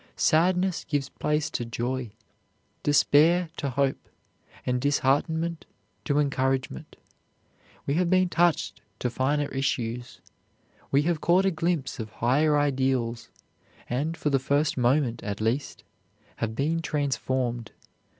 Sadness gives place to joy, despair to hope, and disheartenment to encouragement. We have been touched to finer issues; we have caught a glimpse of higher ideals; and, for the moment, at least, have been transformed.